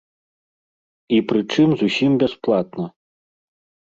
І прычым зусім бясплатна!